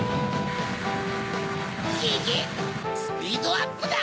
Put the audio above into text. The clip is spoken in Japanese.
・スピードアップだ！